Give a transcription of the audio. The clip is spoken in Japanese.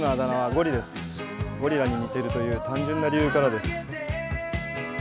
ゴリラに似てるという単純な理由からです。